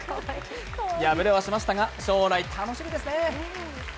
敗れはしましたが、将来楽しみですね。